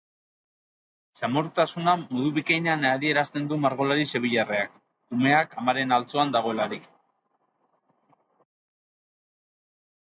Samurtasuna modu bikainean adierazten du margolari sevillarrak, umea amaren altzoan dagoelarik.